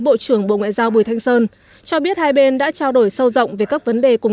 bộ trưởng bộ ngoại giao bùi thanh sơn cho biết hai bên đã trao đổi sâu rộng về các vấn đề cùng